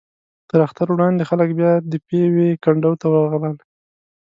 تر اختر وړاندې خلک بیا د پېوې کنډو ته ورغلل.